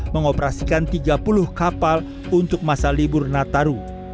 mengoperasikan tiga puluh kapal untuk masa libur nataru